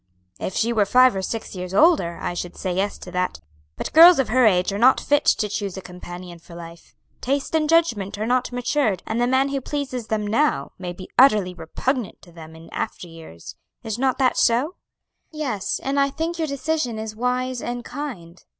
"If she were five or six years older, I should say yes to that; but girls of her age are not fit to choose a companion for life; taste and judgment are not matured, and the man who pleases them now may be utterly repugnant to them in after years. Is not that so?" "Yes; and I think your decision is wise and kind.